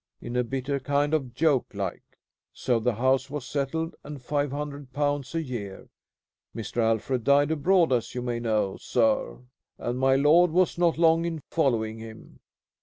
in a bitter kind of joke like. So the house was settled, and five hundred pounds a year. Mr. Alfred died abroad, as you may know, sir, and my lord was not long in following him."